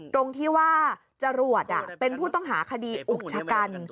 ตรงที่ว่าจรวดเป็นผู้ต้องหาคดีอุกชะกัน